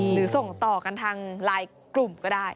หรือส่งต่อกันทางไลน์กลุ่มก็ได้